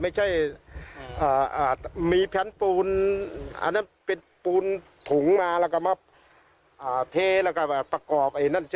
ไม่ใช่มีแผนปูนปิดปูนถุงมาแล้วก็มาเทแล้วก็ประกอบ